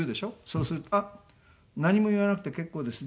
そうすると「あっ何も言わなくて結構です」